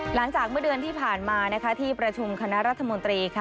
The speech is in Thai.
หลังจากเมื่อเดือนที่ผ่านมาที่ประชุมคณะรัฐมนตรีค่ะ